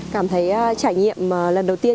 cảm thấy trải nghiệm lần đầu tiên